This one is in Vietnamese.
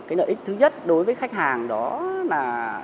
cái nợ ích thứ nhất đối với khách hàng đó là